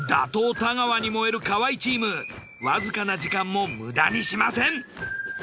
太川に燃える河合チームわずかな時間も無駄にしません！